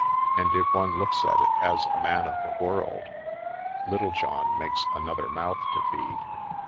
And, if one looks at it as a man of the world, Littlejohn makes another mouth to feed."